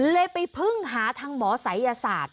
เลยไปพึ่งหาทางหมอศัยศาสตร์